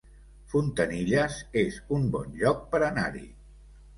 Fontanilles es un bon lloc per anar-hi